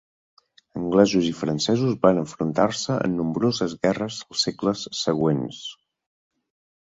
Anglesos i francesos van enfrontar-se en nombroses guerres els segles següents.